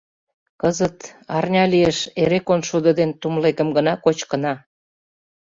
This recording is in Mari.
Кызыт, арня лиеш, эре коншудо ден тумлегым гына кочкына.